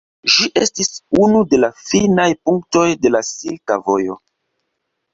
Ĝi estis unu de la finaj punktoj de la silka vojo.